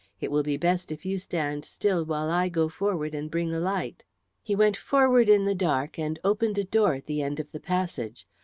It will be best if you stand still while I go forward and bring a light." He went forward in the dark and opened a door at the end of the passage.